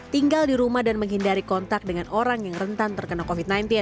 tinggal di rumah dan menghindari kontak dengan orang yang rentan terkena covid sembilan belas